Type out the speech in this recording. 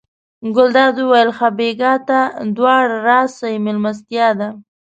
ګلداد وویل ښه بېګا ته دواړه راسئ مېلمستیا ده.